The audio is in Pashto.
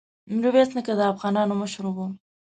ميرويس نيکه د افغانانو مشر وو.